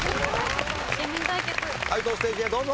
解答ステージへどうぞ。